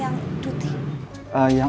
yang apply cuti pasti banyak tuh